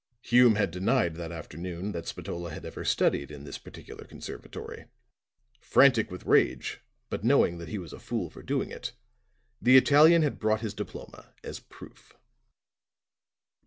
Hume had denied that afternoon that Spatola had ever studied in this particular conservatory; frantic with rage, but knowing that he was a fool for doing it, the Italian had brought his diploma as proof.